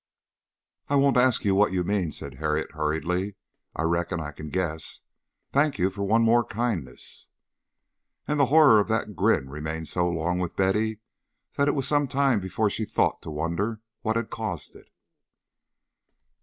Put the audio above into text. "I won't ask you what you mean," said Harriet, hurriedly. "I reckon I can guess. Thank you for one more kindness." And the horror of that grin remained so long with Betty that it was some time before she thought to wonder what had caused it.